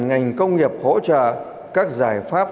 ngành công nghiệp hỗ trợ các giải pháp